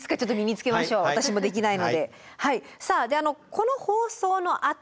この放送のあと